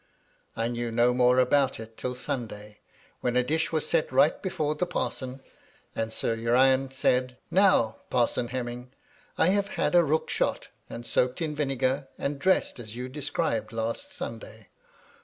I knew no more about it till Sunday, when a dish was set right before the parson, and Sir Urian said :' Now, Parson Hemming, I have had a rook shot, and soaked in vinegar, and dressed as you described last Sunday.